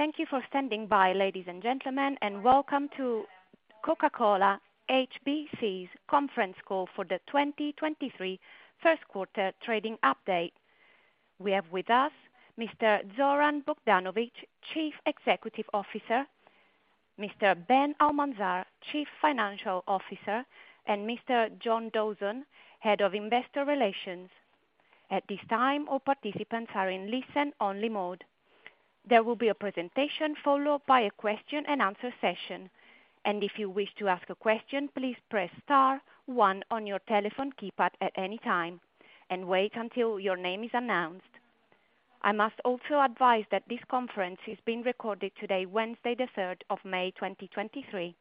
Thank you for standing by, ladies and gentlemen, and welcome to Coca-Cola HBC's conference call for the 2023 1st quarter trading update. We have with us Mr. Zoran Bogdanovic, Chief Executive Officer, Mr. Ben Almanzar, Chief Financial Officer, and Mr. John Dawson, Head of Investor Relations. At this time, all participants are in listen-only mode. There will be a presentation followed by a question and answer session. If you wish to ask a question, please press star one on your telephone keypad at any time and wait until your name is announced. I must also advise that this conference is being recorded today, Wednesday, the 3rd of May, 2023.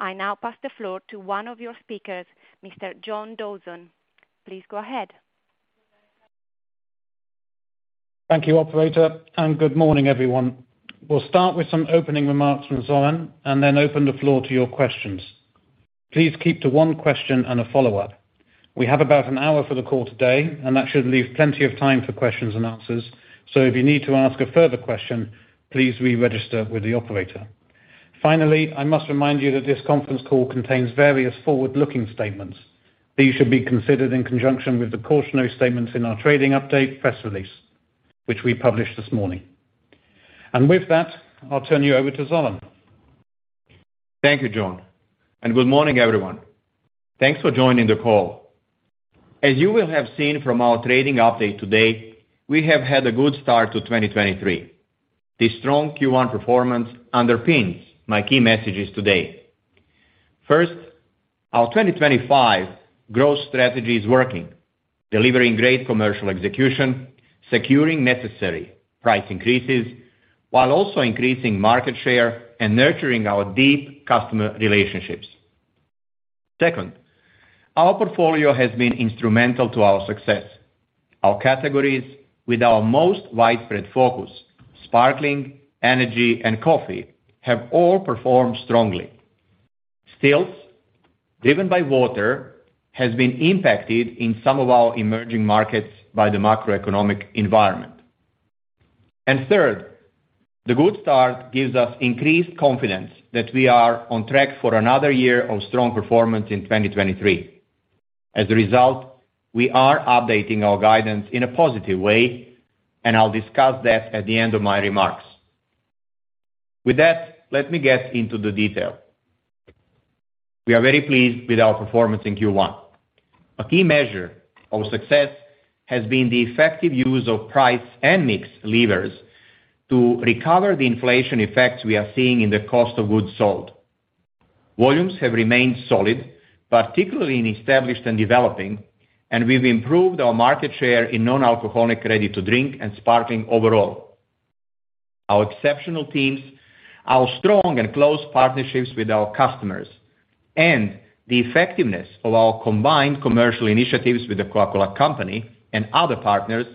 I now pass the floor to one of your speakers, Mr. John Dawson. Please go ahead. Thank you, operator, and good morning, everyone. We'll start with some opening remarks from Zoran and then open the floor to your questions. Please keep to one question and a follow-up. We have about an hour for the call today, and that should leave plenty of time for questions and answers. If you need to ask a further question, please re-register with the operator. Finally, I must remind you that this conference call contains various forward-looking statements. These should be considered in conjunction with the cautionary statements in our trading update press release, which we published this morning. With that, I'll turn you over to Zoran. Thank you, John. Good morning, everyone. Thanks for joining the call. As you will have seen from our trading update today, we have had a good start to 2023. This strong Q1 performance underpins my key messages today. First, our 2025 growth strategy is working, delivering great commercial execution, securing necessary price increases, while also increasing market share and nurturing our deep customer relationships. Second, our portfolio has been instrumental to our success. Our categories with our most widespread focus, sparkling, energy, and coffee, have all performed strongly. Still, driven by water has been impacted in some of our emerging markets by the macroeconomic environment. Third, the good start gives us increased confidence that we are on track for another year of strong performance in 2023. As a result, we are updating our guidance in a positive way, and I'll discuss that at the end of my remarks. With that, let me get into the detail. We are very pleased with our performance in Q1. A key measure of success has been the effective use of price and mix levers to recover the inflation effects we are seeing in the cost of goods sold. Volumes have remained solid, particularly in established and developing, and we've improved our market share in non-alcoholic ready to drink and sparkling overall. Our exceptional teams, our strong and close partnerships with our customers, and the effectiveness of our combined commercial initiatives with The Coca-Cola Company and other partners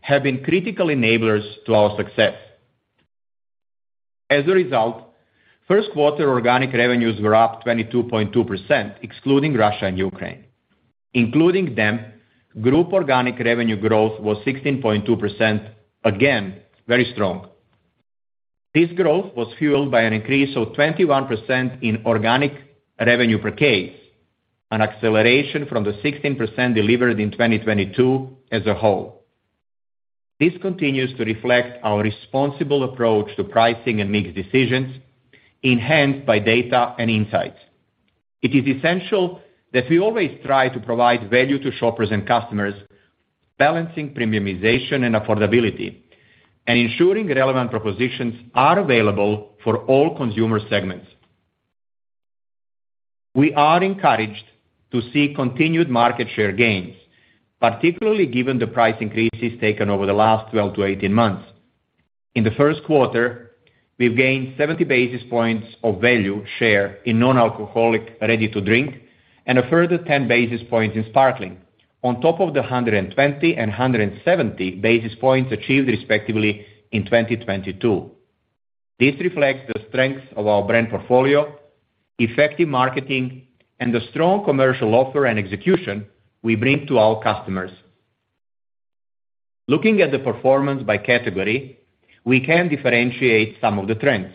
have been critical enablers to our success. First quarter organic revenues were up 22.2%, excluding Russia and Ukraine. Including them, group organic revenue growth was 16.2%, again, very strong. This growth was fueled by an increase of 21% in organic revenue per case, an acceleration from the 16% delivered in 2022 as a whole. This continues to reflect our responsible approach to pricing and mix decisions enhanced by data and insights. It is essential that we always try to provide value to shoppers and customers, balancing premiumization and affordability and ensuring relevant propositions are available for all consumer segments. We are encouraged to see continued market share gains, particularly given the price increases taken over the last 12-18 months. In the first quarter, we've gained 70 basis points of value share in non-alcoholic ready to drink and a further 10 basis points in sparkling on top of the 120 and 170 basis points achieved respectively in 2022. This reflects the strength of our brand portfolio, effective marketing and the strong commercial offer and execution we bring to our customers. Looking at the performance by category, we can differentiate some of the trends.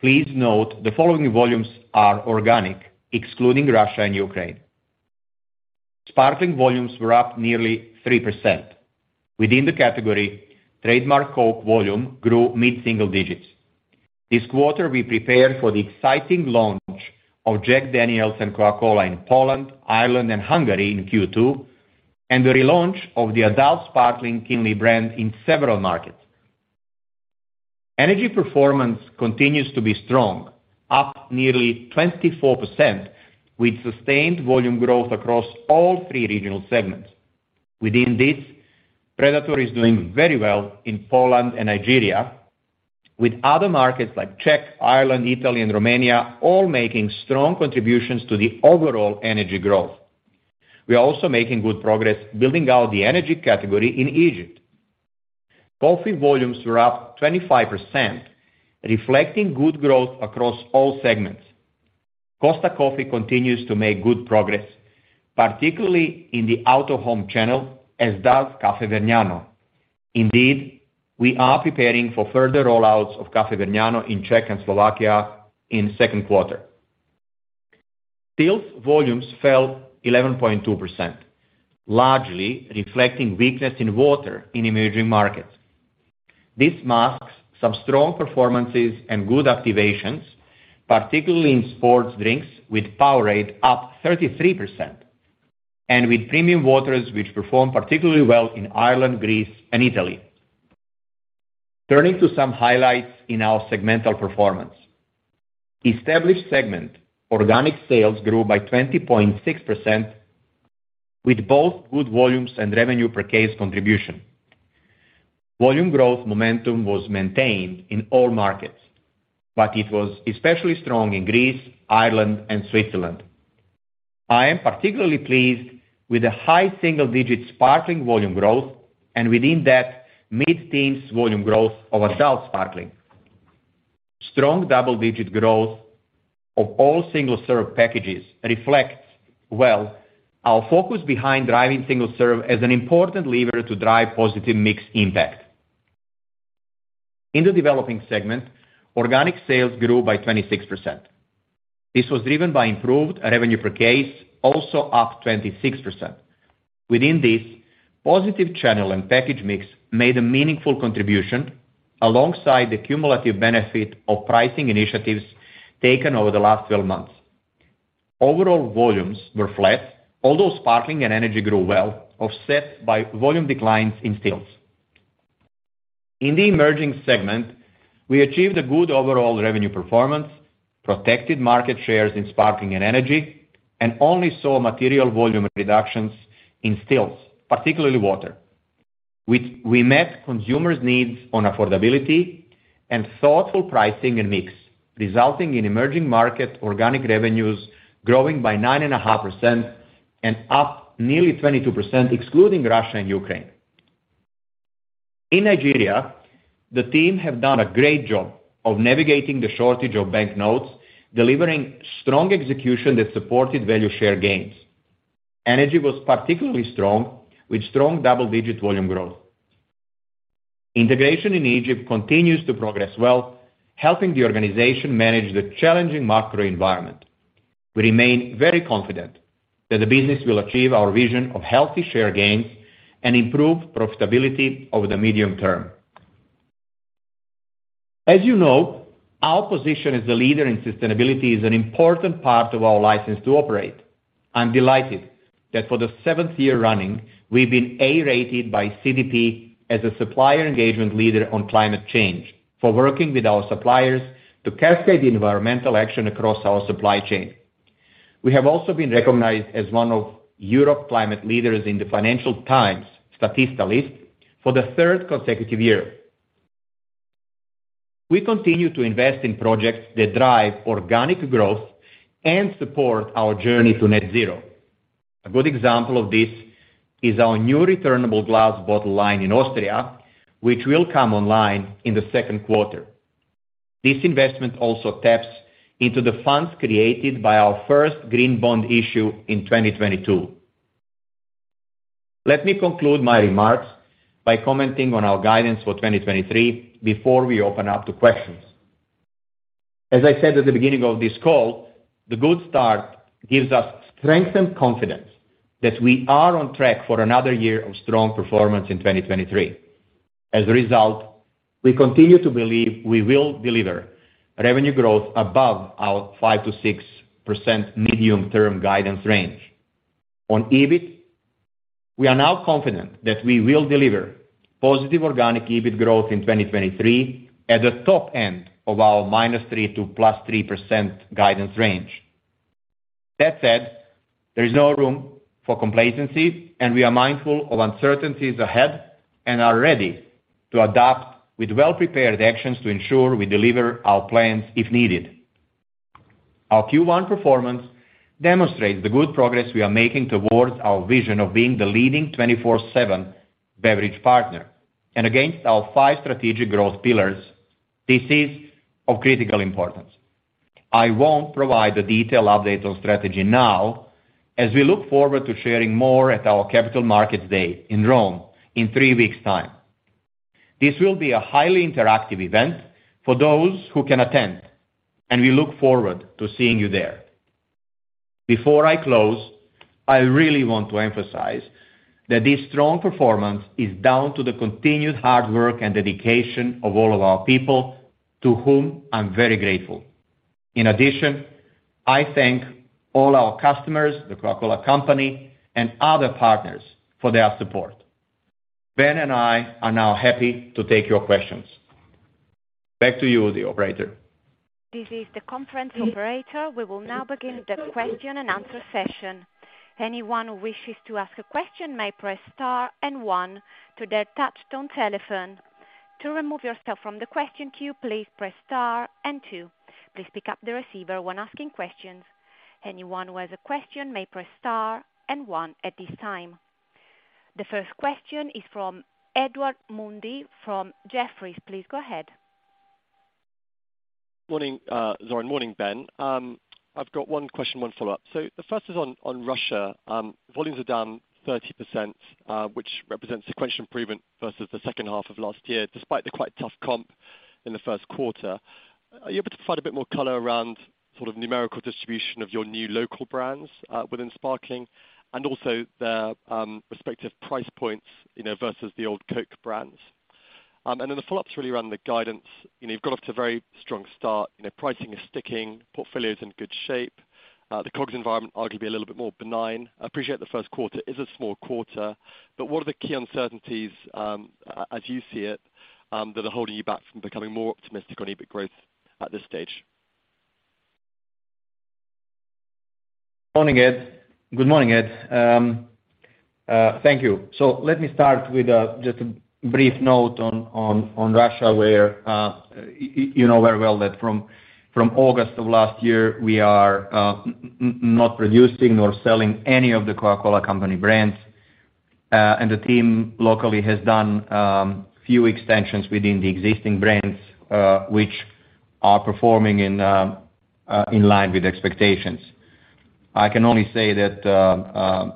Please note the following volumes are organic, excluding Russia and Ukraine. Sparkling volumes were up nearly 3%. Within the category, trademark Coke volume grew mid-single digits. This quarter, we prepared for the exciting launch of Jack Daniel's and Coca-Cola in Poland, Ireland and Hungary in Q2 and the relaunch of the adult sparkling Kinley brand in several markets. Energy performance continues to be strong, up nearly 24%, with sustained volume growth across all three regional segments. Within this, Predator is doing very well in Poland and Nigeria, with other markets like Czech, Ireland, Italy and Romania all making strong contributions to the overall energy growth. We are also making good progress building out the energy category in Egypt. Coffee volumes were up 25%, reflecting good growth across all segments. Costa Coffee continues to make good progress, particularly in the out-of-home channel, as does Caffè Vergnano. Indeed, we are preparing for further rollouts of Caffè Vergnano in Czech and Slovakia in second quarter. Stills volumes fell 11.2%, largely reflecting weakness in water in emerging markets. This masks some strong performances and good activations, particularly in sports drinks with Powerade up 33%, and with premium waters, which performed particularly well in Ireland, Greece and Italy. Turning to some highlights in our segmental performance. Established segment organic sales grew by 20.6% with both good volumes and revenue per case contribution. Volume growth momentum was maintained in all markets, but it was especially strong in Greece, Ireland and Switzerland. I am particularly pleased with the high single-digit sparkling volume growth and within that mid-teens volume growth of adult sparkling. Strong double-digit growth of all single serve packages reflects well our focus behind driving single serve as an important lever to drive positive mix impact. In the developing segment, organic sales grew by 26%. This was driven by improved revenue per case, also up 26%. Within this positive channel and package mix made a meaningful contribution alongside the cumulative benefit of pricing initiatives taken over the last 12 months. Overall volumes were flat, although sparkling and energy grew well, offset by volume declines in stills. In the emerging segment, we achieved a good overall revenue performance, protected market shares in sparkling and energy, and only saw material volume reductions in stills, particularly water. We met consumers' needs on affordability and thoughtful pricing and mix, resulting in emerging market organic revenues growing by 9.5% and up nearly 22% excluding Russia and Ukraine. In Nigeria, the team have done a great job of navigating the shortage of banknotes, delivering strong execution that supported value share gains. Energy was particularly strong with strong double-digit volume growth. Integration in Egypt continues to progress well, helping the organization manage the challenging macro environment. We remain very confident that the business will achieve our vision of healthy share gains and improve profitability over the medium term. As you know, our position as the leader in sustainability is an important part of our license to operate. I'm delighted that for the seventh year running, we've been A-rated by CDP as a supplier engagement leader on climate change for working with our suppliers to cascade the environmental action across our supply chain. We have also been recognized as one of Europe's Climate Leaders in the Financial Times Statista list for the third consecutive year. We continue to invest in projects that drive organic growth and support our journey to net zero. A good example of this is our new returnable glass bottle line in Austria, which will come online in the second quarter. This investment also taps into the funds created by our first green bond issue in 2022. Let me conclude my remarks by commenting on our guidance for 2023 before we open up to questions. As I said at the beginning of this call, the good start gives us strength and confidence that we are on track for another year of strong performance in 2023. As a result, we continue to believe we will deliver revenue growth above our 5%-6% medium-term guidance range. On EBIT, we are now confident that we will deliver positive organic EBIT growth in 2023 at the top end of our -3% to +3% guidance range. That said, there is no room for complacency and we are mindful of uncertainties ahead and are ready to adapt with well-prepared actions to ensure we deliver our plans if needed. Our Q1 performance demonstrates the good progress we are making towards our vision of being the leading 24/7 beverage partner. Against our five strategic growth pillars, this is of critical importance. I won't provide a detailed update on strategy now as we look forward to sharing more at our Capital Markets Day in Rome in three weeks time. This will be a highly interactive event for those who can attend, and we look forward to seeing you there. Before I close, I really want to emphasize that this strong performance is down to the continued hard work and dedication of all of our people, to whom I'm very grateful. In addition, I thank all our customers, The Coca-Cola Company, and other partners for their support. Ben and I are now happy to take your questions. Back to you, the operator. This is the conference operator. We will now begin the question and answer session. Anyone who wishes to ask a question may press star and one to their touch tone telephone. To remove yourself from the question queue, please press star and two. Please pick up the receiver when asking questions. Anyone who has a question may press star and one at this time. The first question is from Edward Mundy from Jefferies. Please go ahead. Morning, Zoran. Morning, Ben. I've got one question, one follow-up. The first is on Russia. Volumes are down 30%, which represents sequential improvement versus the second half of last year, despite the quite tough comp in the first quarter. Are you able to provide a bit more color around sort of numerical distribution of your new local brands within Sparkling and also their respective price points, you know, versus the old Coke brands? The follow-up's really around the guidance. You know, you've got off to a very strong start. You know, pricing is sticking. Portfolio's in good shape. The Coke's environment arguably a little bit more benign. I appreciate the first quarter is a small quarter. What are the key uncertainties, as you see it, that are holding you back from becoming more optimistic on EBIT growth at this stage? Morning, Ed. Good morning, Ed. Thank you. Let me start with just a brief note on Russia, where you know very well that from August of last year, we are not producing or selling any of The Coca-Cola Company brands. The team locally has done few extensions within the existing brands, which are performing in line with expectations. I can only say that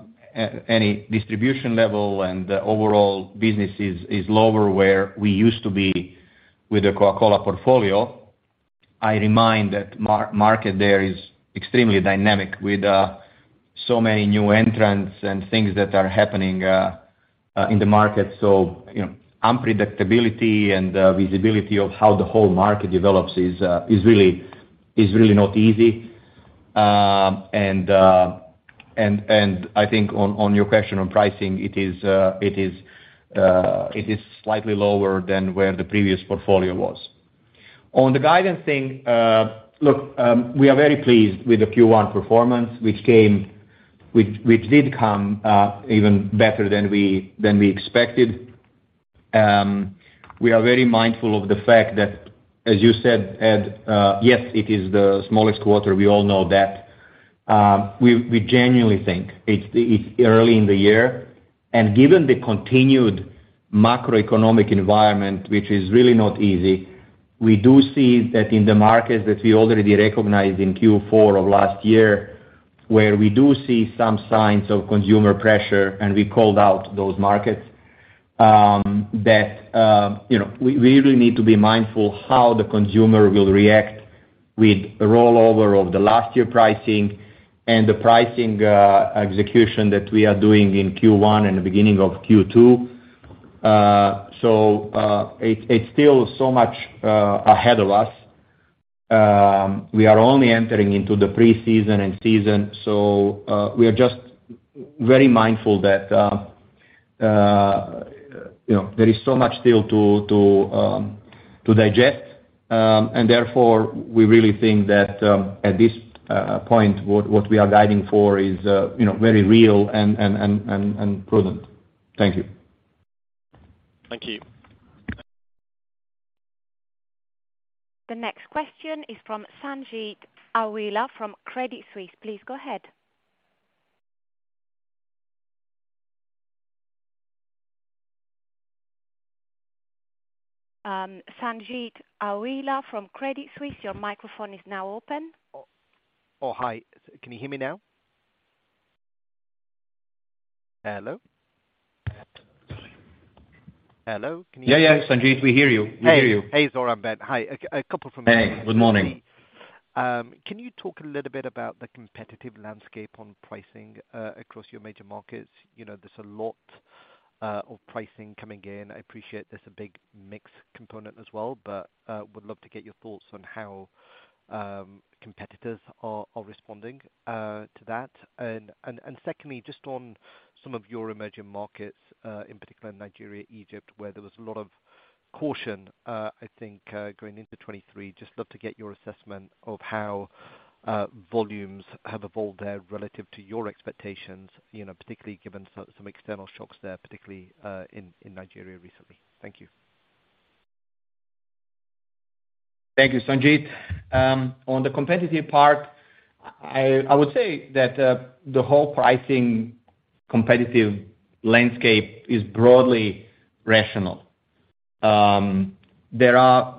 any distribution level and the overall business is lower where we used to be with the Coca-Cola portfolio. I remind that market there is extremely dynamic with so many new entrants and things that are happening in the market. You know, unpredictability and visibility of how the whole market develops is really not easy. I think on your question on pricing, it is slightly lower than where the previous portfolio was. On the guidance thing, look, we are very pleased with the Q1 performance, which did come even better than we expected. We are very mindful of the fact that as you said, Ed, yes, it is the smallest quarter, we all know that. We genuinely think it's early in the year. Given the continued macroeconomic environment, which is really not easy, we do see that in the markets that we already recognized in Q4 of last year, where we do see some signs of consumer pressure, and we called out those markets that, you know, we really need to be mindful how the consumer will react with rollover of the last year pricing and the pricing execution that we are doing in Q1 and the beginning of Q2. It's still so much ahead of us. We are only entering into the pre-season and season, so we are just very mindful that, you know, there is so much still to digest. Therefore, we really think that, at this point, what we are guiding for is, you know, very real and prudent. Thank you. Thank you. The next question is from Sanjeet Aujla from Credit Suisse. Please go ahead. Sanjeet Aujla from Credit Suisse, your microphone is now open. Oh, hi. Can you hear me now? Hello? Yeah, yeah, Sanjit, we hear you. We hear you. Hey. Hey, Zoran, Ben. Hi. A couple from me. Hey, good morning. Can you talk a little bit about the competitive landscape on pricing across your major markets? You know, there's a lot of pricing coming in. I appreciate there's a big mix component as well, but would love to get your thoughts on how competitors are responding to that. Secondly, just on some of your emerging markets, in particular Nigeria, Egypt, where there was a lot of caution, I think, going into 2023. Just love to get your assessment of how volumes have evolved there relative to your expectations, you know, particularly given some external shocks there, particularly in Nigeria recently. Thank you. Thank you, Sanjeet. On the competitive part, I would say that the whole pricing competitive landscape is broadly rational. There are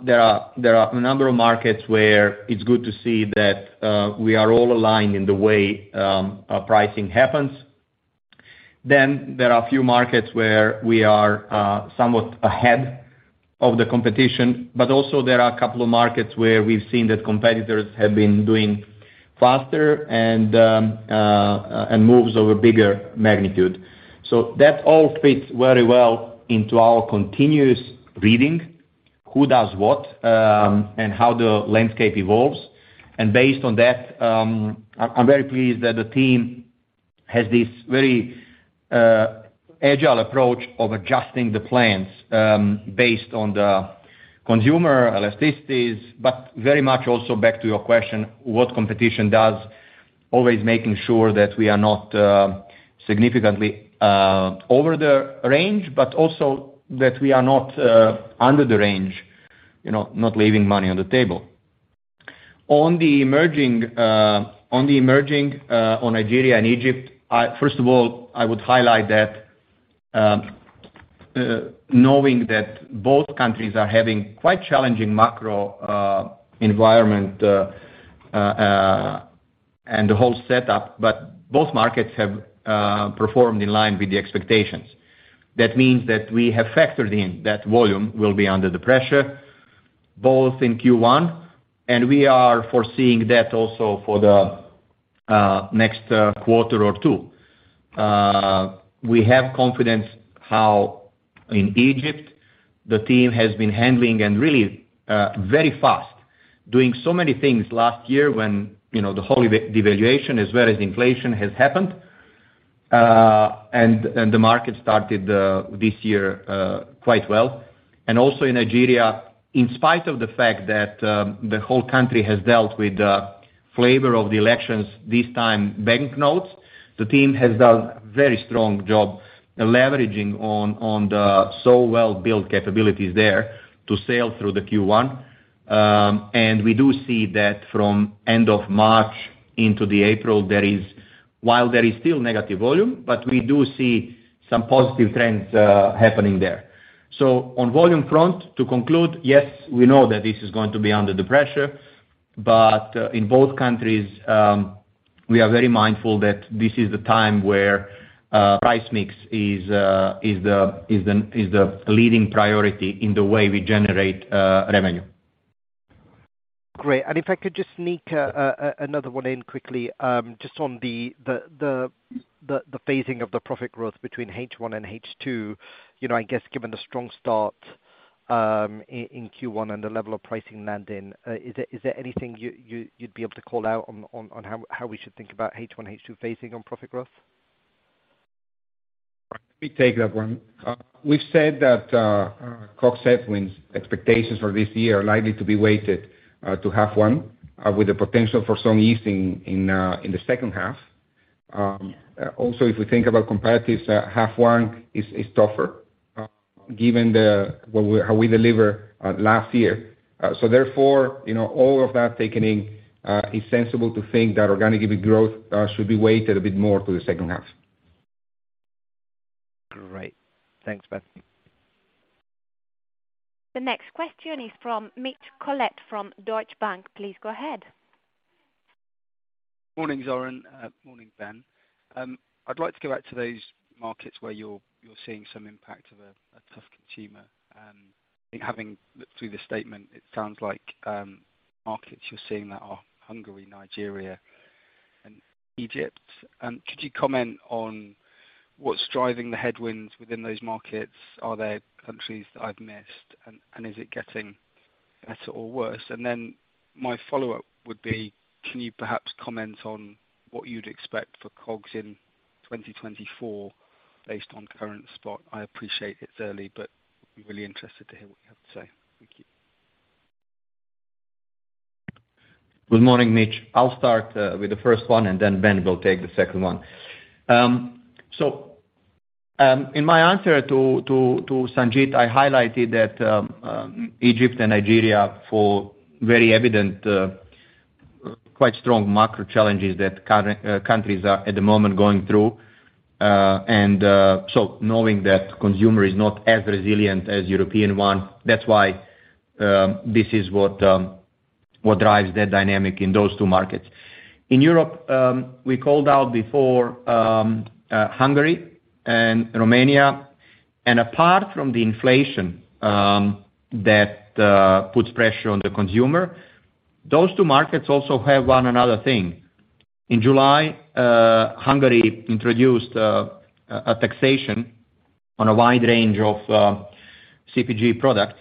a number of markets where it's good to see that we are all aligned in the way pricing happens. There are a few markets where we are somewhat ahead of the competition, but also there are a couple of markets where we've seen that competitors have been doing faster and moves over bigger magnitude. That all fits very well into our continuous reading, who does what, and how the landscape evolves. Based on that, I'm very pleased that the team has this very agile approach of adjusting the plans based on the consumer elasticities, but very much also back to your question, what competition does, always making sure that we are not significantly over the range, but also that we are not under the range, you know, not leaving money on the table. On the emerging, on Nigeria and Egypt, first of all, I would highlight that knowing that both countries are having quite challenging macro environment and the whole setup, but both markets have performed in line with the expectations. That means that we have factored in that volume will be under the pressure both in Q1, and we are foreseeing that also for the next quarter or two. We have confidence how in Egypt the team has been handling and really, very fast, doing so many things last year when, you know, the whole devaluation as well as inflation has happened. The market started this year quite well. Also in Nigeria, in spite of the fact that the whole country has dealt with the flavor of the elections, this time banknotes, the team has done very strong job leveraging on the so well-built capabilities there to sail through the Q1. We do see that from end of March into the April, while there is still negative volume, but we do see some positive trends happening there. On volume front, to conclude, yes, we know that this is going to be under the pressure, but in both countries, we are very mindful that this is the time where price mix is the leading priority in the way we generate revenue. Great. If I could just sneak another one in quickly, just on the phasing of the profit growth between H1 and H2, you know, I guess given the strong start in Q1 and the level of pricing landing, is there anything you'd be able to call out on how we should think about H1, H2 phasing on profit growth? Let me take that one. We've said that our COGS headwinds expectations for this year are likely to be weighted to half one with the potential for some easing in the second half. Also, if we think about comparatives, half one is tougher given how we deliver last year. Therefore, you know, all of that taken in, it's sensible to think that organic growth should be weighted a bit more to the second half. Great. Thanks, Ben. The next question is from Mitch Collett from Deutsche Bank. Please go ahead. Morning, Zoran. Morning, Ben. I'd like to go back to those markets where you're seeing some impact of a tough consumer. I think having through the statement, it sounds like markets you're seeing that are Hungary, Nigeria, and Egypt. Could you comment on what's driving the headwinds within those markets? Are there countries that I've missed, and is it getting better or worse? Then my follow-up would be, can you perhaps comment on what you'd expect for COGS in 2024 based on current spot? I appreciate it's early, but really interested to hear what you have to say. Thank you. Good morning, Mitch. I'll start with the first one, and then Ben will take the second one. In my answer to Sanjit, I highlighted that Egypt and Nigeria for very evident, quite strong macro challenges that current countries are at the moment going through. Knowing that consumer is not as resilient as European one, that's why this is what drives that dynamic in those two markets. In Europe, we called out before Hungary and Romania. Apart from the inflation that puts pressure on the consumer, those two markets also have one another thing. In July, Hungary introduced a taxation on a wide range of CPG products,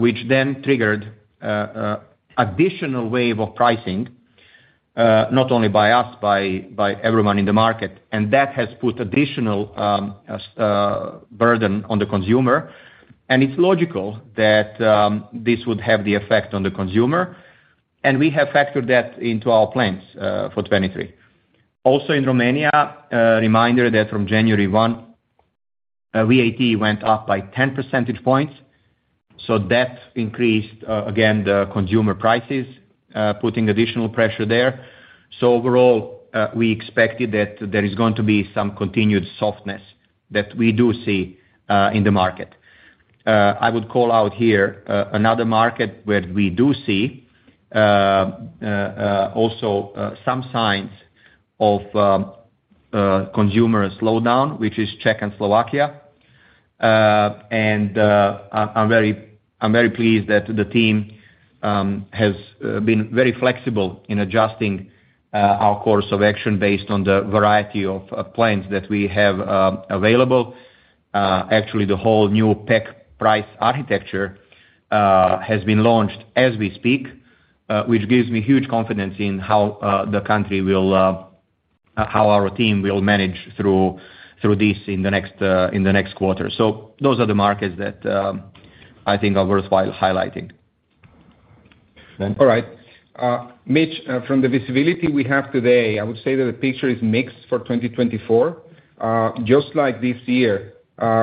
which then triggered additional wave of pricing, not only by us, by everyone in the market. That has put additional burden on the consumer, and it's logical that this would have the effect on the consumer. We have factored that into our plans for 2023. In Romania, a reminder that from January 1, VAT went up by 10 percentage points, so that increased again, the consumer prices, putting additional pressure there. Overall, we expected that there is going to be some continued softness that we do see in the market. I would call out here another market where we do see also some signs of a consumer slowdown, which is Czech and Slovakia. I'm very pleased that the team has been very flexible in adjusting our course of action based on the variety of plans that we have available. Actually, the whole new price-pack architecture has been launched as we speak, which gives me huge confidence in how the country will how our team will manage through this in the next quarter. Those are the markets that I think are worthwhile highlighting. All right. Mitch, from the visibility we have today, I would say that the picture is mixed for 2024. Just like this year,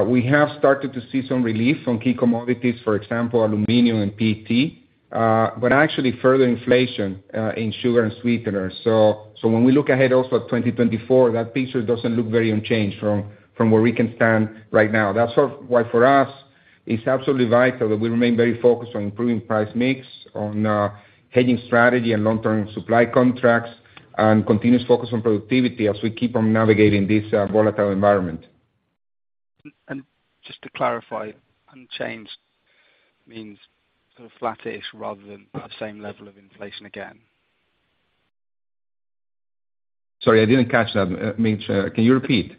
we have started to see some relief on key commodities, for example, aluminum and PET. Actually further inflation in sugar and sweeteners. When we look ahead also at 2024, that picture doesn't look very unchanged from where we can stand right now. That's sort of why, for us, it's absolutely vital that we remain very focused on improving price mix, on hedging strategy and long-term supply contracts, and continuous focus on productivity as we keep on navigating this volatile environment. Just to clarify, unchanged means sort of flattish rather than the same level of inflation again? Sorry, I didn't catch that. Can you repeat?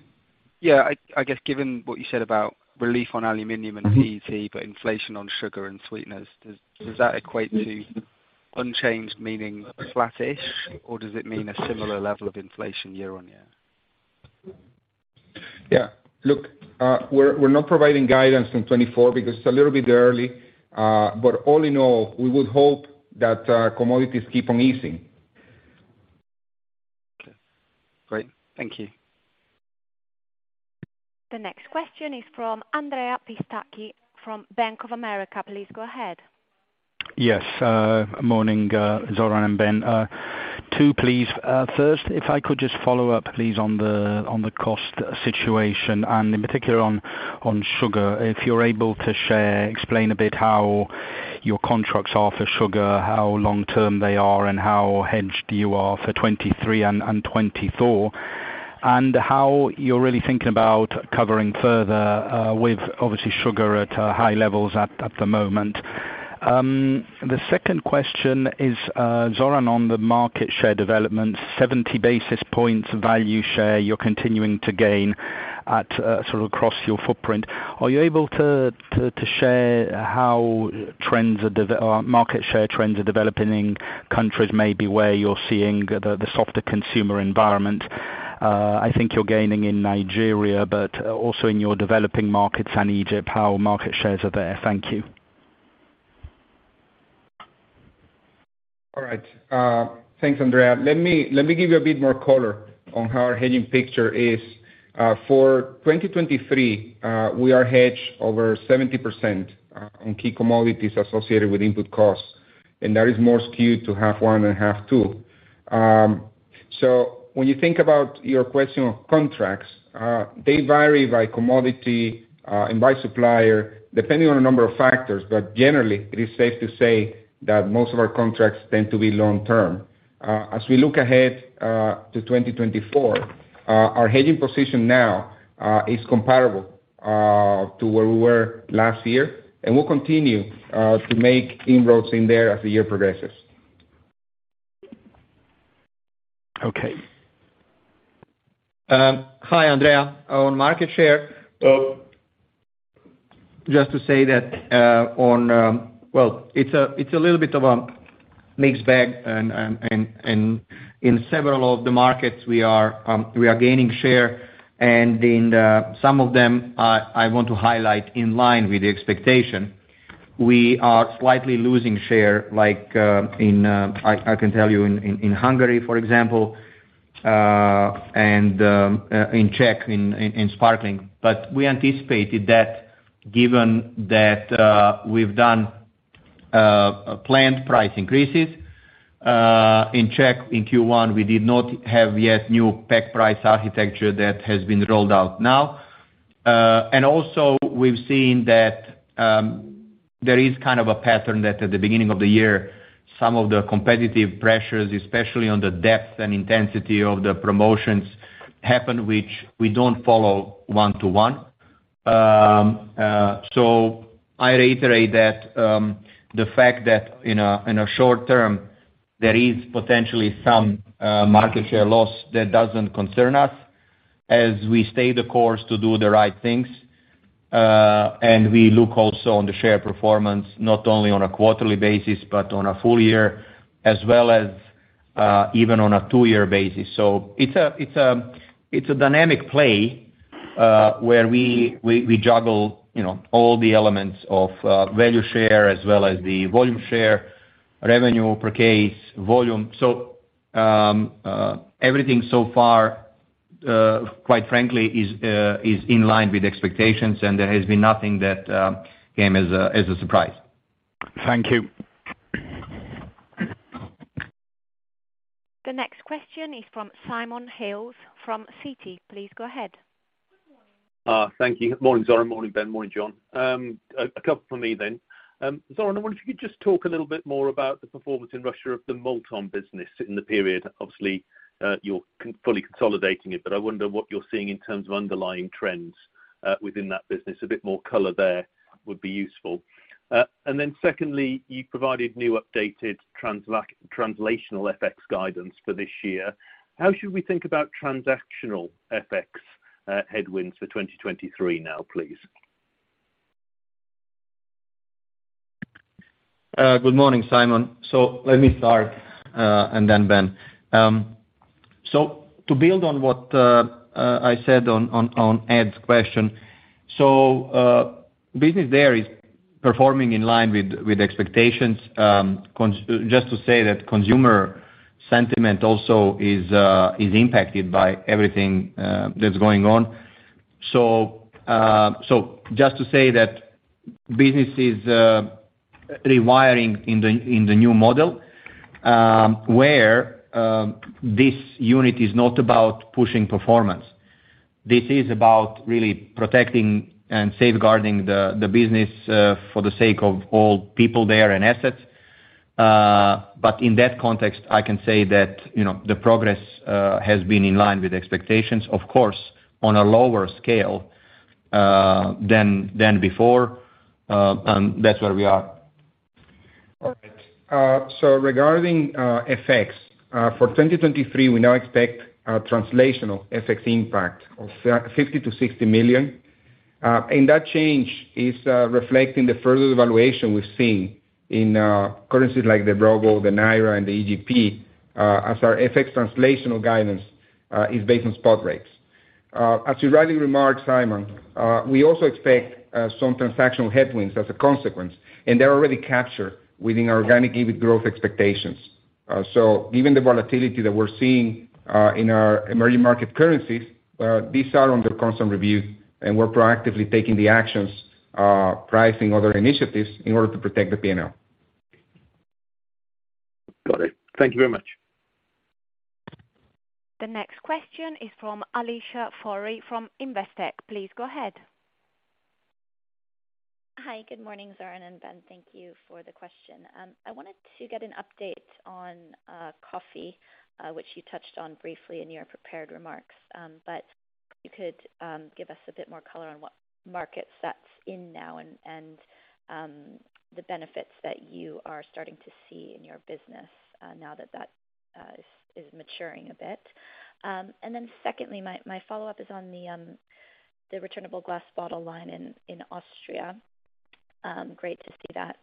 Yeah. I guess given what you said about relief on aluminum and PET, but inflation on sugar and sweeteners, does that equate to unchanged meaning flattish, or does it mean a similar level of inflation year-on-year? Yeah. Look, we're not providing guidance in 2024 because it's a little bit early. All in all, we would hope that commodities keep on easing. Okay. Great. Thank you. The next question is from Andrea Pistacchi from Bank of America. Please go ahead. Yes. Morning, Zoran and Ben. Two please. First, if I could just follow up please on the cost situation and in particular on sugar. If you're able to share, explain a bit how your contracts are for sugar, how long-term they are, and how hedged you are for 2023 and 2024, and how you're really thinking about covering further, with obviously sugar at high levels at the moment. The second question is, Zoran, on the market share development, 70 basis points value share you're continuing to gain at sort of across your footprint. Are you able to share how trends are or market share trends are developing countries maybe where you're seeing the softer consumer environment? I think you're gaining in Nigeria, but also in your developing markets and Egypt, how market shares are there? Thank you. All right. Thanks, Andrea. Let me give you a bit more color on how our hedging picture is. For 2023, we are hedged over 70% on key commodities associated with input costs, and that is more skewed to half one and half two. When you think about your question on contracts, they vary by commodity and by supplier, depending on a number of factors. Generally, it is safe to say that most of our contracts tend to be long term. As we look ahead to 2024, our hedging position now is comparable to where we were last year, and will continue to make inroads in there as the year progresses. Okay. Hi, Andrea. On market share, just to say that, on... Well, it's a little bit of a mixed bag and in several of the markets we are gaining share, and in some of them, I want to highlight in line with the expectation. We are slightly losing share like in, I can tell you in Hungary, for example, and in Czech in Sparkling. We anticipated that given that we've done planned price increases in Czech in Q1, we did not have yet new pack price architecture that has been rolled out now. Also we've seen that there is kind of a pattern that at the beginning of the year, some of the competitive pressures, especially on the depth and intensity of the promotions happen, which we don't follow one-to-one. I reiterate that the fact that in a short term, there is potentially some market share loss that doesn't concern us as we stay the course to do the right things. We look also on the share performance not only on a quarterly basis, but on a full year as well as even on a two-year basis. It's a dynamic play where we juggle, you know, all the elements of value share as well as the volume share, revenue per case volume. Everything so far, quite frankly is in line with expectations and there has been nothing that came as a surprise. Thank you. The next question is from Simon Hales from Citi. Please go ahead. Thank you. Morning, Zoran. Morning, Ben. Morning, John. A couple from me then. Zoran, I wonder if you could just talk a little bit more about the performance in Russia of the Multon business in the period. Obviously, you're fully consolidating it, but I wonder what you're seeing in terms of underlying trends within that business. A bit more color there would be useful. Secondly, you provided new updated translational FX guidance for this year. How should we think about transactional FX headwinds for 2023 now, please? Good morning, Simon. Let me start, and then Ben. To build on what I said on Ed's question, business there is performing in line with expectations. Just to say that consumer sentiment also is impacted by everything that's going on. Just to say that business is rewiring in the new model, where this unit is not about pushing performance. This is about really protecting and safeguarding the business for the sake of all people there and assets. In that context, I can say that, you know, the progress has been in line with expectations, of course, on a lower scale than before. That's where we are. Regarding FX for 2023, we now expect a translational FX impact of 50 million-60 million. That change is reflecting the further evaluation we've seen in currencies like the Ruble, the Naira, and the EGP, as our FX translational guidance is based on spot rates. You rightly remarked, Simon, we also expect some transactional headwinds as a consequence, and they're already captured within our organic EBITDA growth expectations. Given the volatility that we're seeing in our emerging market currencies, these are under constant review, and we're proactively taking the actions, pricing other initiatives in order to protect the P&L. Got it. Thank you very much. The next question is from Alicia Forry from Investec. Please go ahead. Hi. Good morning, Zoran and Ben. Thank you for the question. I wanted to get an update on coffee, which you touched on briefly in your prepared remarks. If you could give us a bit more color on what markets that's in now and the benefits that you are starting to see in your business now that that is maturing a bit. Secondly, my follow-up is on the returnable glass bottle line in Austria. Great to see that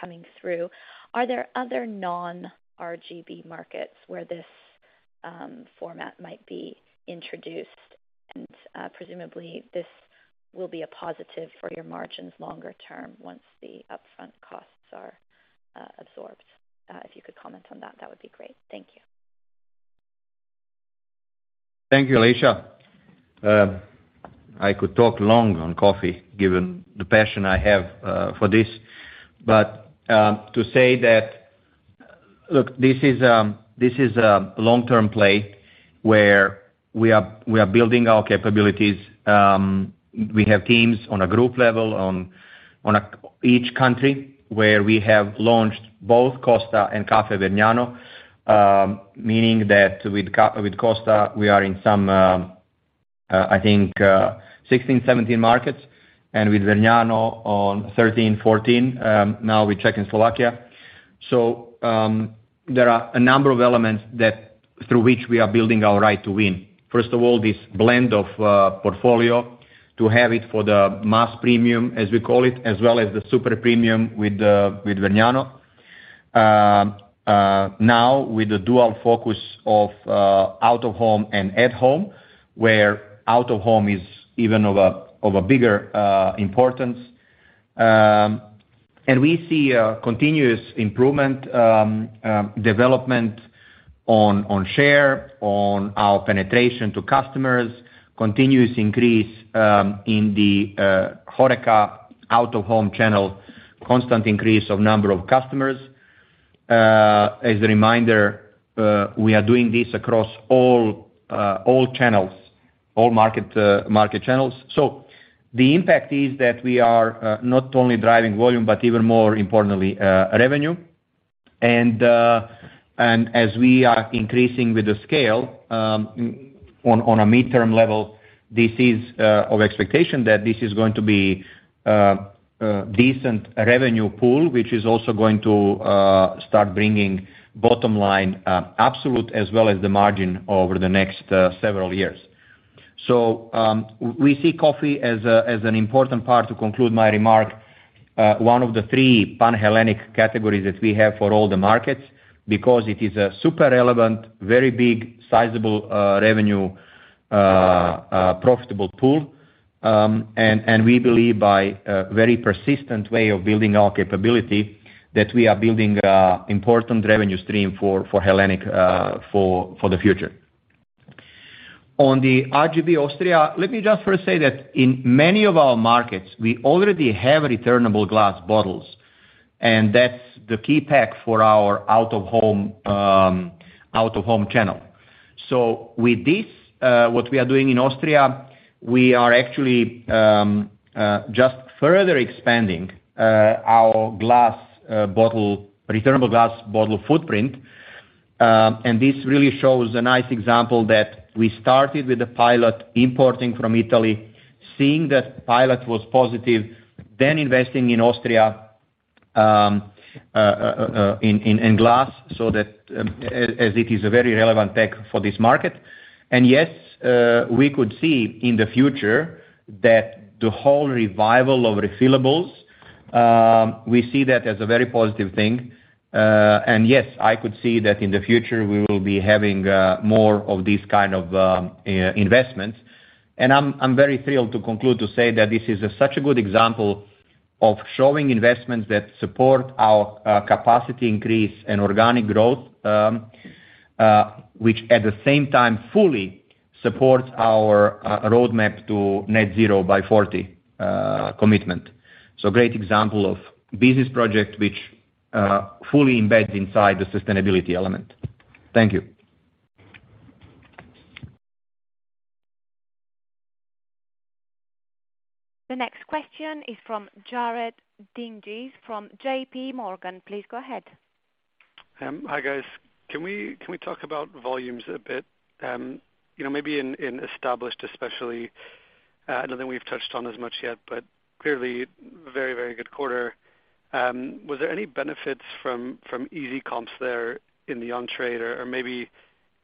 coming through. Are there other non-RGB markets where this format might be introduced? Presumably this will be a positive for your margins longer term once the upfront costs are absorbed. If you could comment on that would be great. Thank you. Thank you, Alicia. I could talk long on coffee given the passion I have for this. To say that... Look, this is a long-term play where we are building our capabilities. We have teams on a group level, on each country where we have launched both Costa and Caffè Vergnano. Meaning that with Costa, we are in some 16-17 markets, and with Vergnano on 13-14, now with Czech and Slovakia. There are a number of elements that through which we are building our right to win. First of all, this blend of portfolio to have it for the mass premium, as we call it, as well as the super premium with Vergnano. Now with the dual focus of out of home and at home, where out of home is even of a bigger importance. We see a continuous improvement development on share, on our penetration to customers, continuous increase in the HORECA out of home channel, constant increase of number of customers. As a reminder, we are doing this across all channels, all market channels. The impact is that we are not only driving volume, but even more importantly, revenue. As we are increasing with the scale, on a midterm level, this is of expectation that this is going to be a decent revenue pool, which is also going to start bringing bottom line, absolute as well as the margin over the next several years. We see coffee as an important part, to conclude my remark, one of the three pan-category categories that we have for all the markets, because it is a super relevant, very big sizable, revenue, profitable pool. We believe by a very persistent way of building our capability that we are building a important revenue stream for Hellenic, for the future. On the RGB Austria, let me just first say that in many of our markets, we already have returnable glass bottles, and that's the key pack for our out of home, out of home channel. With this, what we are doing in Austria, we are actually just further expanding our returnable glass bottle footprint. This really shows a nice example that we started with the pilot importing from Italy, seeing that pilot was positive, then investing in Austria in glass, so that as it is a very relevant tech for this market. Yes, we could see in the future that the whole revival of refillables, we see that as a very positive thing. Yes, I could see that in the future we will be having more of these kind of investments. I'm very thrilled to conclude to say that this is such a good example of showing investments that support our capacity increase and organic growth, which at the same time fully supports our roadmap to net zero by 40 commitment. Great example of business project which fully embeds inside the sustainability element. Thank you. The next question is from Jared Dinges, from JP Morgan. Please go ahead. Hi guys. Can we talk about volumes a bit, you know, maybe in established especially, nothing we've touched on as much yet, but clearly very, very good quarter. Was there any benefits from easy comps there in the on trade or maybe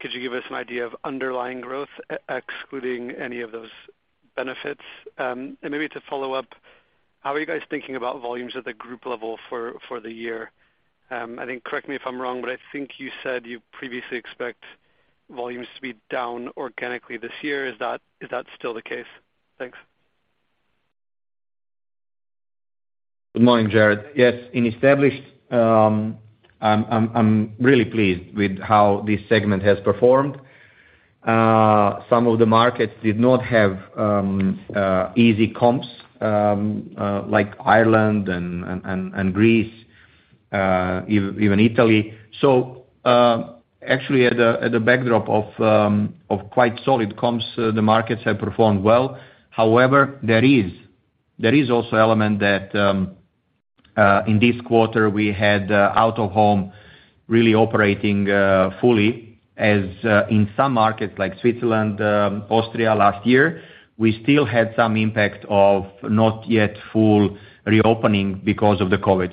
could you give us an idea of underlying growth excluding any of those benefits? Maybe to follow up, how are you guys thinking about volumes at the group level for the year? I think correct me if I'm wrong, I think you said you previously expect volumes to be down organically this year. Is that still the case? Thanks. Good morning, Jared. Yes. In established, I'm really pleased with how this segment has performed. Some of the markets did not have easy comps like Ireland and Greece, even Italy. Actually at a backdrop of quite solid comps, the markets have performed well. However, there is also element that in this quarter, we had out of home really operating fully as in some markets like Switzerland, Austria last year, we still had some impact of not yet full reopening because of the COVID.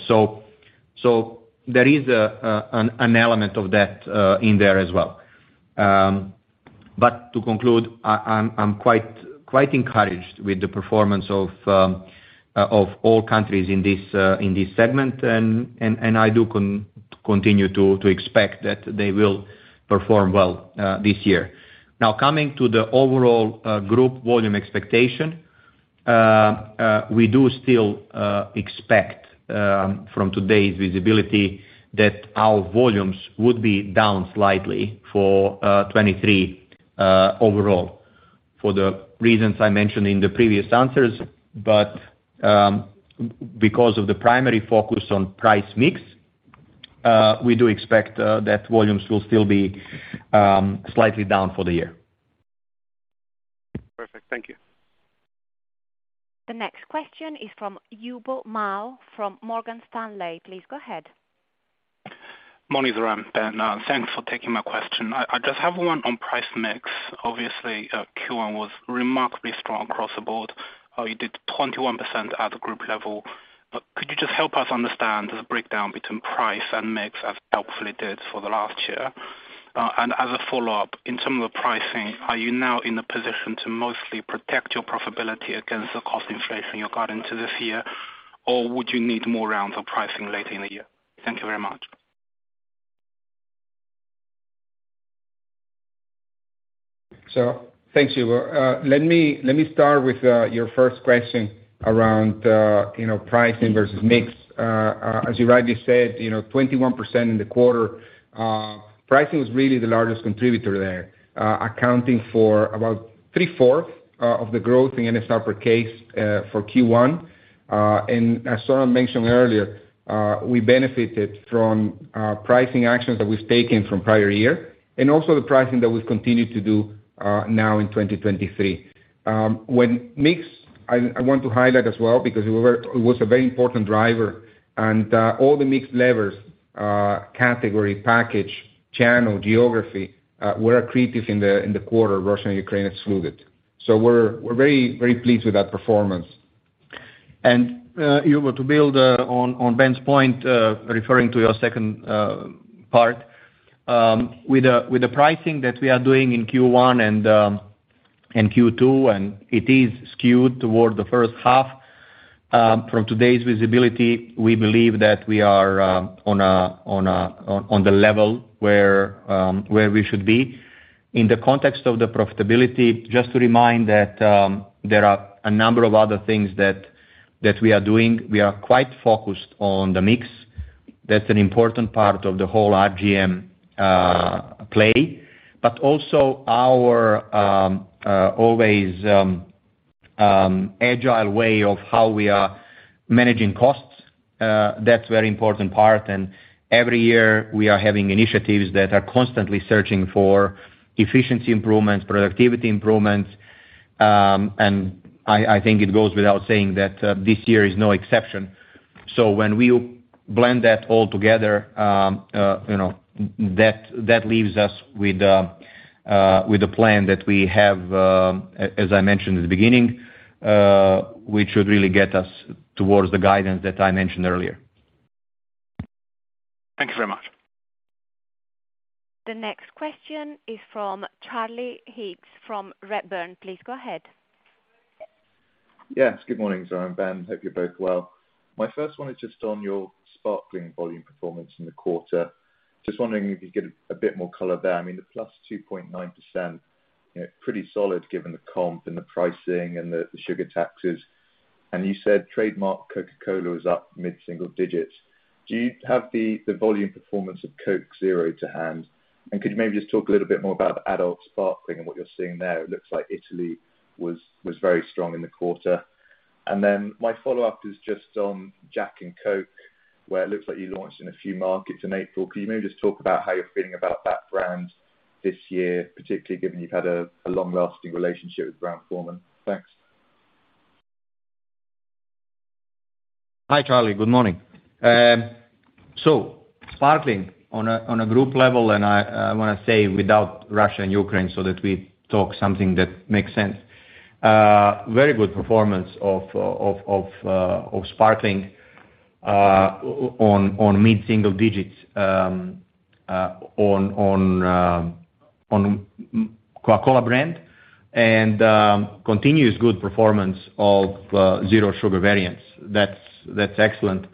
There is an element of that in there as well. But to conclude, I'm quite encouraged with the performance of all countries in this segment. I do continue to expect that they will perform well this year. Now coming to the overall group volume expectation, we do still expect from today's visibility that our volumes would be down slightly for 23 overall, for the reasons I mentioned in the previous answers. Because of the primary focus on price mix, we do expect that volumes will still be slightly down for the year. Perfect. Thank you. The next question is from Yubo Mao from Morgan Stanley. Please go ahead. Morning Zoran, Ben. thanks for taking my question. I just have one on price mix. Obviously, Q1 was remarkably strong across the board. you did 21% at group level. Could you just help us understand the breakdown between price and mix as you helpfully did for the last year? As a follow-up, in some of the pricing, are you now in a position to mostly protect your profitability against the cost inflation regarding to this year, or would you need more rounds of pricing later in the year? Thank you very much. Thanks, Yubo. Let me start with your first question around, you know, pricing versus mix. As you rightly said, you know, 21% in the quarter, pricing was really the largest contributor there, accounting for about 3/4 of the growth in NSR per case for Q1. As Zoran mentioned earlier, we benefited from pricing actions that we've taken from prior year and also the pricing that we've continued to do now in 2023. When mix, I want to highlight as well because it was a very important driver and all the mix levers, category, package, channel, geography, were accretive in the quarter, Russia and Ukraine excluded. We're very, very pleased with that performance. Yubo to build on Ben's point, referring to your second part. With the pricing that we are doing in Q1 and Q2, and it is skewed toward the first half. From today's visibility, we believe that we are on a level where we should be. In the context of the profitability, just to remind that there are a number of other things that we are doing. We are quite focused on the mix. That's an important part of the whole RGM play, but also our always agile way of how we are managing costs. That's very important part. Every year we are having initiatives that are constantly searching for efficiency improvements, productivity improvements, I think it goes without saying that this year is no exception. When we blend that all together, you know, that leaves us with a plan that we have, as I mentioned at the beginning, which should really get us towards the guidance that I mentioned earlier. Thank you very much. The next question is from Charlie Higgs from Redburn. Please go ahead. Yes. Good morning, Zoran, Ben. Hope you're both well. My first one is just on your sparkling volume performance in the quarter. Just wondering if you could give a bit more color there. I mean, the +2.9%. Pretty solid given the comp and the pricing and the sugar taxes. You said trademark Coca-Cola was up mid-single digits. Do you have the volume performance of Coke Zero to hand? Could you maybe just talk a little bit more about adult sparkling and what you're seeing there? It looks like Italy was very strong in the quarter. My follow-up is just on Jack and Coke, where it looks like you launched in a few markets in April. Can you maybe just talk about how you're feeling about that brand this year, particularly given you've had a long-lasting relationship with Brown-Forman? Thanks. Hi, Charlie. Good morning. Sparkling on a group level, and I want to say without Russia and Ukraine so that we talk something that makes sense. Very good performance of Sparkling, on mid-single digits, on Coca-Cola brand and continuous good performance of zero sugar variants. That's excellent.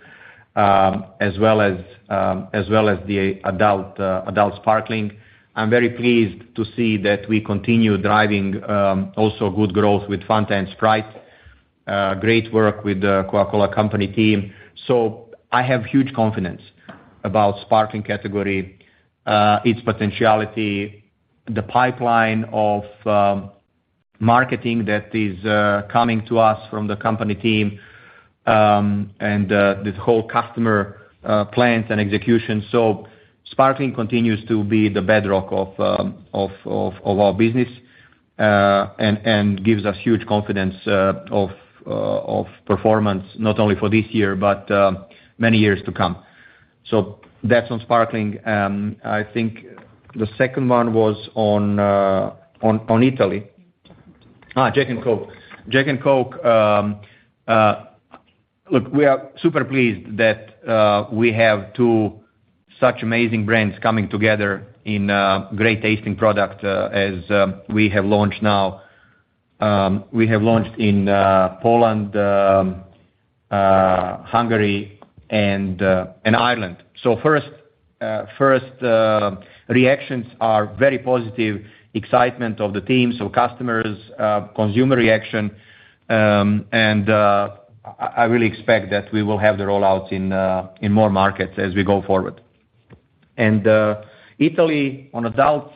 As well as the adult Sparkling. I'm very pleased to see that we continue driving also good growth with Fanta and Sprite. Great work with The Coca-Cola Company team. I have huge confidence about Sparkling category, its potentiality, the pipeline of marketing that is coming to us from the company team, and this whole customer plans and execution. Sparkling continues to be the bedrock of our business, and gives us huge confidence of performance not only for this year, but many years to come. That's on Sparkling. I think the second one was on Italy. Jack and Coke. Jack and Coke. Jack and Coke, look, we are super pleased that we have two such amazing brands coming together in a great tasting product as we have launched now. We have launched in Poland, Hungary and Ireland. First reactions are very positive excitement of the teams or customers, consumer reaction, and I really expect that we will have the rollouts in more markets as we go forward. Italy on adults,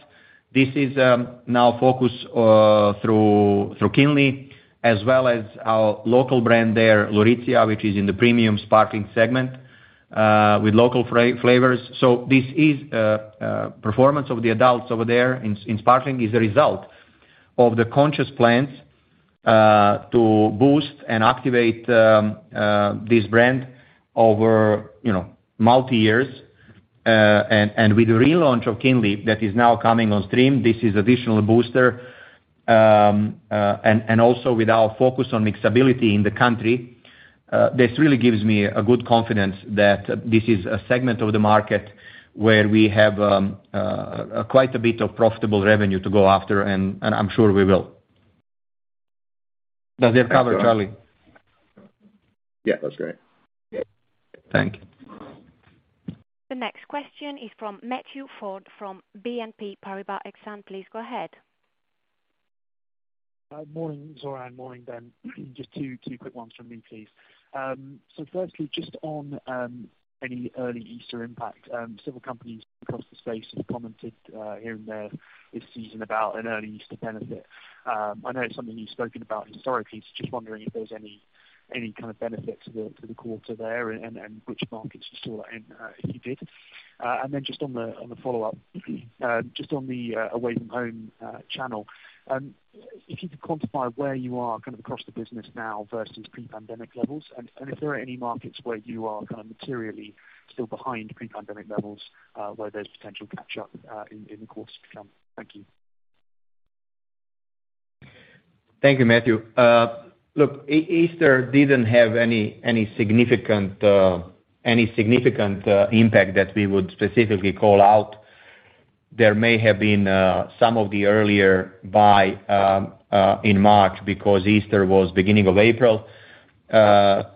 this is now focused through Kinley as well as our local brand there, Lurisia, which is in the premium sparkling segment with local flavors. This is performance of the adults over there in Sparkling is a result of the conscious plans to boost and activate this brand over, you know, multi years. With the relaunch of Kinley that is now coming on stream, this is additional booster. Also with our focus on mixability in the country, this really gives me a good confidence that this is a segment of the market where we have quite a bit of profitable revenue to go after, and I'm sure we will. Does that cover it, Charlie? Yeah, that's great. Thank you. The next question is from Matthew Ford, from BNP Paribas Exane. Please go ahead. Morning, Zoran. Morning, Ben. Just two quick ones from me, please. Firstly, just on any early Easter impact, several companies across the space have commented here and there this season about an early Easter benefit. I know it's something you've spoken about historically, just wondering if there's any kind of benefit to the quarter there and which markets you saw that in if you did. Just on the follow-up, just on the away from home channel, if you could quantify where you are kind of across the business now versus pre-pandemic levels and if there are any markets where you are kind of materially still behind pre-pandemic levels, where there's potential catch-up in the course to come. Thank you. Thank you, Matthew. Look, Easter didn't have any significant impact that we would specifically call out. There may have been some of the earlier buy in March because Easter was beginning of April. But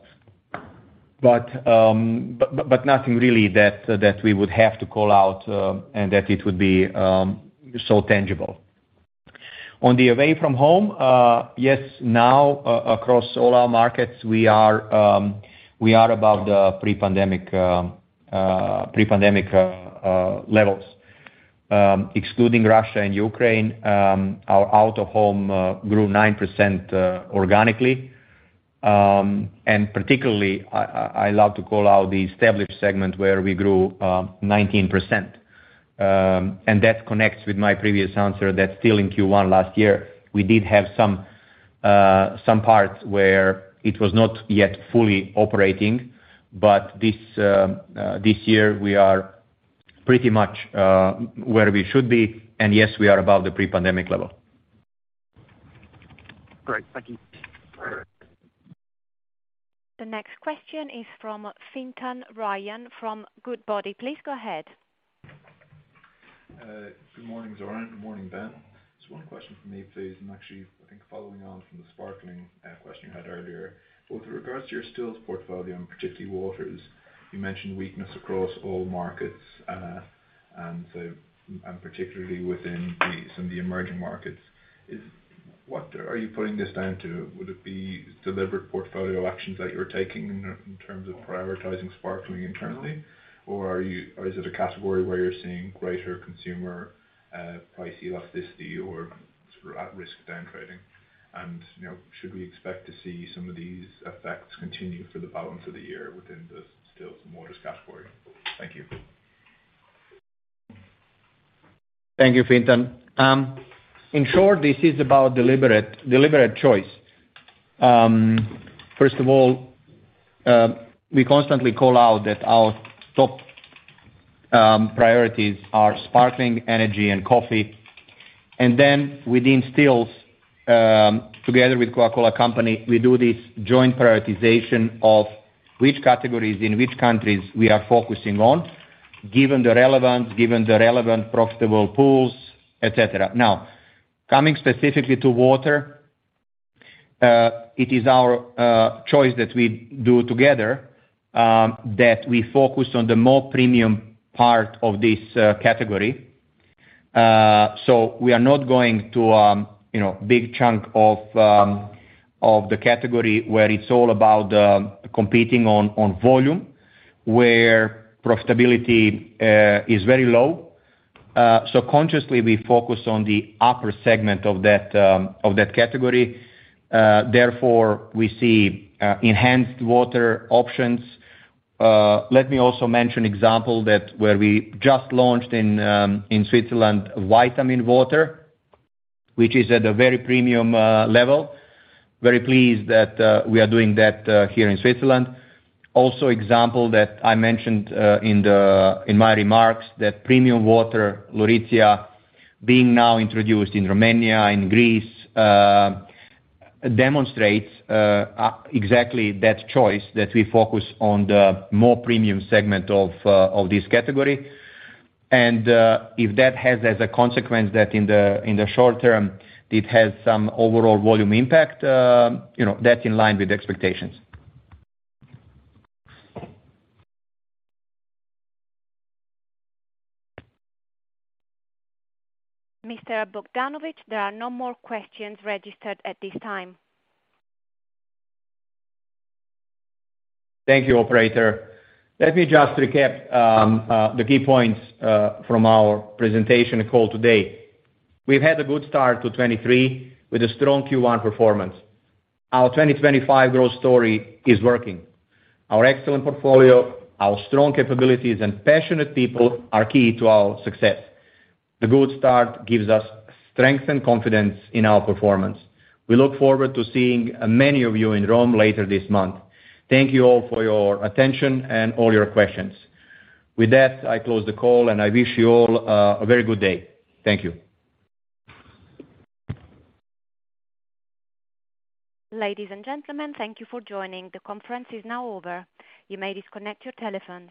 nothing really that we would have to call out and that it would be so tangible. On the away from home, yes. Now across all our markets, we are about the pre-pandemic levels. Excluding Russia and Ukraine, our out-of-home grew 9% organically. Particularly I love to call out the established segment where we grew 19%. That connects with my previous answer that still in Q1 last year we did have some parts where it was not yet fully operating. This year, we are pretty much, where we should be. Yes, we are above the pre-pandemic level. Great. Thank you. The next question is from Fintan Ryan, from Goodbody. Please go ahead. Good morning, Zoran. Good morning, Ben. Just one question from me, please. Actually, I think following on from the Sparkling question you had earlier. With regards to your stills portfolio and particularly waters, you mentioned weakness across all markets. Particularly within some of the emerging markets, what are you putting this down to? Would it be deliberate portfolio actions that you're taking in terms of prioritizing sparkling internally? Or is it a category where you're seeing greater consumer price elasticity or sort of at risk of down trading? Should we expect to see some of these effects continue for the balance of the year within the stills and waters category? Thank you. Thank you, Fintan. In short, this is about deliberate choice. First of all, we constantly call out that our top priorities are sparkling, energy and coffee. Within stills, together with The Coca-Cola Company, we do this joint prioritization of which categories in which countries we are focusing on, given the relevance, given the relevant profitable pools, et cetera. Coming specifically to water, it is our choice that we do together that we focus on the more premium part of this category. We are not going to, you know, big chunk of the category where it's all about competing on volume, where profitability is very low. Consciously, we focus on the upper segment of that category, therefore we see enhanced water options. Let me also mention example that where we just launched in Switzerland vitaminwater, which is at a very premium level. Very pleased that we are doing that here in Switzerland. Also example that I mentioned in my remarks, that premium water Lurisia being now introduced in Romania, in Greece, demonstrates exactly that choice that we focus on the more premium segment of this category. If that has as a consequence that in the short term it has some overall volume impact, you know, that's in line with expectations. Mr. Bogdanovic, there are no more questions registered at this time. Thank you, operator. Let me just recap the key points from our presentation call today. We've had a good start to 2023 with a strong Q1 performance. Our 2025 growth story is working. Our excellent portfolio, our strong capabilities, and passionate people are key to our success. The good start gives us strength and confidence in our performance. We look forward to seeing many of you in Rome later this month. Thank you all for your attention and all your questions. With that, I close the call and I wish you all a very good day. Thank you. Ladies and gentlemen, thank you for joining. The conference is now over. You may disconnect your telephones.